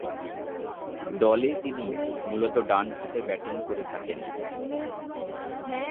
দলে তিনি মূলতঃ ডানহাতে ব্যাটিং করে থাকেন।